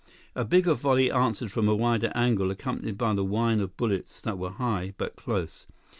A bigger volley answered from a wider angle, accompanied by the whine of bullets that were high, but close.